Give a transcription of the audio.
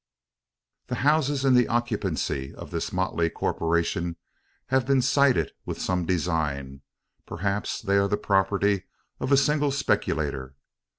The houses in the occupancy of this motley corporation have been "sited" with some design. Perhaps they are the property of a single speculator.